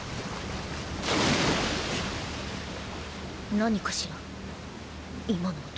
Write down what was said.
何かしら今の音。